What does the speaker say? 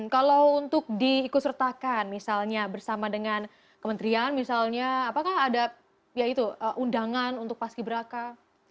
kalau untuk diikut sertakan misalnya bersama dengan kementerian misalnya apakah ada ya itu undangan untuk paski beraka